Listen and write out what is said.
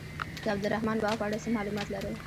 د عبدالرحمان بابا په اړه څه معلومات لرئ.